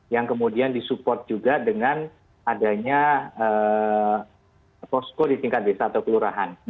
yang kemudian disupport juga dengan adanya posko di tingkat desa atau kelurahan